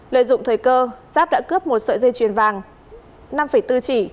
lợi dụng thời cơ giáp đã cướp một sợi dây chuyền vàng năm bốn chỉ